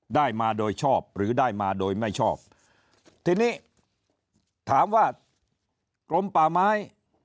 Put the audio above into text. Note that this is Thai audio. ได้มาโดยชอบหรือได้มาโดยไม่ชอบทีนี้ถามว่ากรมป่าไม้